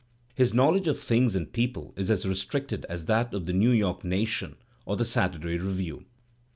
His knowledge of things and peo ple is as restricted as that of the New York Nation or the Saturday Review.